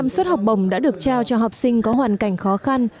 một trăm linh suất học bổng đã được trao cho học sinh có hoàn cảnh khó khăn